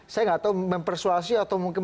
saya gak tau mempersuasi atau mungkin